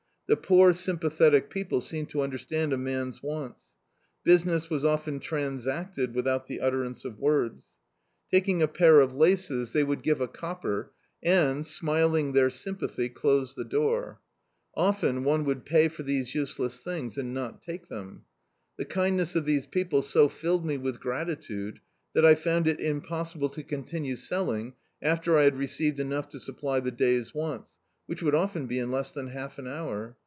The poor, sympathetic people seemed to understand a man's wants. Business was often transacted without the utterance of words. Taking a pair of laces, they D,i.,.db, Google The Autobiography of a Super Tramp would g^ve a copper, and, smiling their synipathy, close the door. Often one would pay for these use less things and not take them. The kindness of these people so filled me with gratitude, that I found it impossible to continue selling after I had received enougji to supply the day's wants, which would often be in less than half an hour.